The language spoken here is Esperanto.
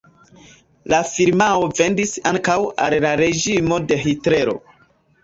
La firmao vendis ankaŭ al la reĝimo de Hitlero.